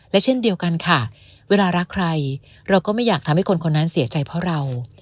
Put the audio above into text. และเช่นเดียวกันค่ะเวลารักใครเราก็ไม่อยากทำให้คนคนนั้นเสียใจเพราะเรา